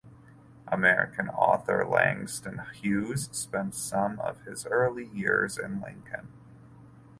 American author Langston Hughes spent some of his early years in Lincoln.